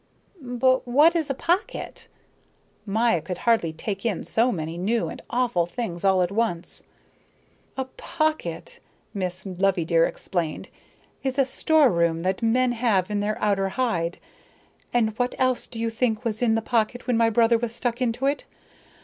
"But what is a pocket?" Maya could hardly take in so many new and awful things all at once. "A pocket," Miss Loveydear explained, "is a store room that men have in their outer hide. And what else do you think was in the pocket when my brother was stuck into it?